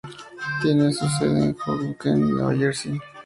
Tiene su sede en Hoboken, Nueva Jersey.